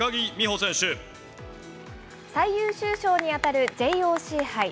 最優秀賞に当たるＪＯＣ杯。